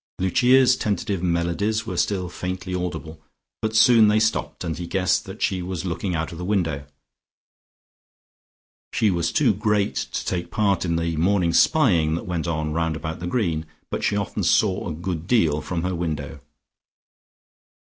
Lucia's tentative melodies were still faintly audible, but soon they stopped, and he guessed that she was looking out of the window. She was too great to take part in the morning spying that went on round about the Green, but she often saw a good deal from her window.